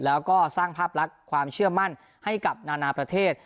แล้วก็สร้างภาพลักษณ์ความเชื่อมั่นให้กับนานาประเทศ